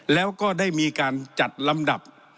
แล้วก็ได้มีการจัดลำดับ